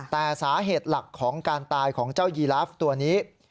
แต่สาเหตุหลักของการตายของเจ้ายีลาฟตัวนี้